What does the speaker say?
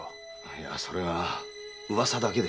いやそれが噂だけで。